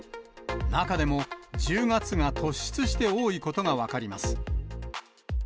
中でも、１０月が突出して多いことが分かります。